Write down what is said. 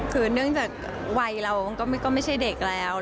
คือเนื่องจากวัยเราก็ไม่ใช่เด็กแล้ว